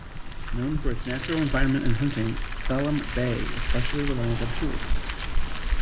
Known for its natural environment and hunting, Clallam Bay is partially reliant on tourism.